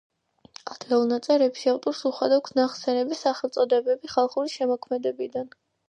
ადრეულ ნაწერებში ავტორს უხვად აქვს ნასესხები სახელწოდებები ხალხური შემოქმედებიდან.